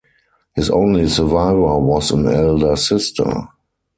His only survivor was an elder sister.